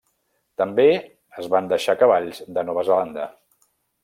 També es van deixar cavalls de Nova Zelanda.